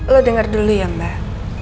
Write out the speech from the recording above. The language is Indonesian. lo dengar dulu ya mbak